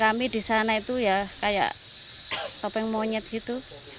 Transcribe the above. kami di sana itu ya kayak topeng monyet gitu